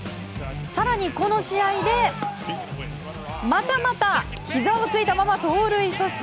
更にこの試合で、またまたひざをついたまま盗塁阻止。